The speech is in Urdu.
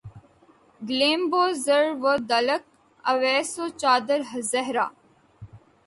گلیم بو ذر و دلق اویس و چادر زہرا